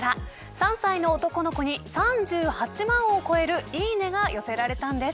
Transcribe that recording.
３歳の男の子に３８万を超えるいいねが寄せられたんです。